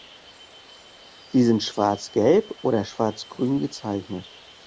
Sie sind schwarz-gelb oder schwarz-grün gezeichnet.